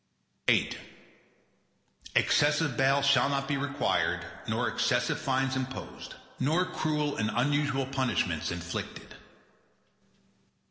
VIII Excessive bail shall not be required nor excessive fines imposed, nor cruel and unusual punishments inflicted.